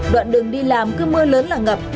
đoạn đường đi làm cứ mưa lớn là ngập